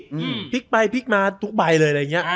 พลิกไปพลิกมาทุกใบเลยอะไรอย่างเงี้